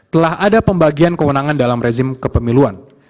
telah ada pembagian kewenangan dalam rezim kepemiluan